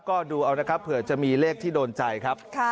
ก็ดูเอานะครับเผื่อจะมีเลขที่โดนใจครับ